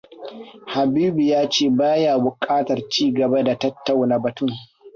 Habibu ya ce baya bukatar ci gaba da tattauna batun.